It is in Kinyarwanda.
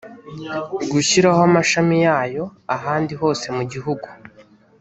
gushyiraho amashami yayo ahandi hose mu gihugu